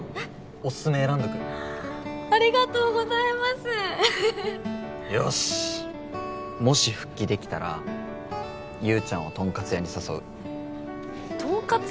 オススメ選んどくありがとうございますよしっもし復帰できたら優ちゃんをとんかつ屋に誘うとんかつ？